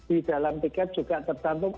di dalam tiket juga tercantum